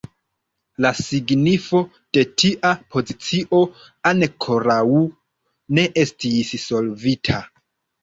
La signifo de tia pozicio ankoraŭ ne estis solvita.